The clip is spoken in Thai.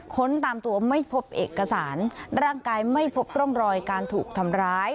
ค้นตามตัวไม่พบเอกสารร่างกายไม่พบร่องรอยการถูกทำร้าย